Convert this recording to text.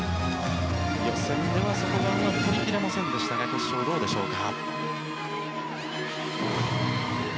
予選では、そこがうまく取り切れませんでしたが決勝はどうでしょうか。